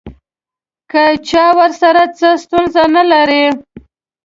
که چا ورسره څه ستونزه نه لرله.